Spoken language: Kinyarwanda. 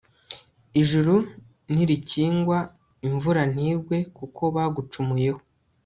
ijuru nirikingwa, imvura ntigwe, kuko bagucumuyeho